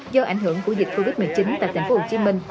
do ảnh hưởng của dịch covid một mươi chín tại tp hcm